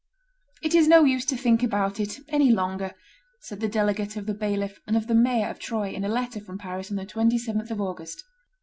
"It is no use to think about it any longer," said the delegate of the bailiff and of the mayor of Troyes, in a letter from Paris on the 27th of August.